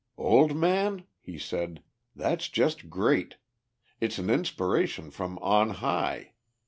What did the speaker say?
"Old man," he said, "that's just great. It's an inspiration from on high.